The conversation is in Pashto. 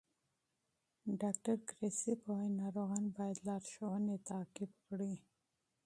ډاکټر کریسپ وایي ناروغان باید لارښوونې تعقیب کړي.